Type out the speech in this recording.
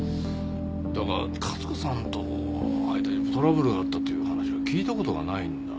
だが勝子さんとの間にトラブルがあったっていう話は聞いた事がないんだ。